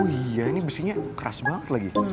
oh iya ini besinya keras banget lagi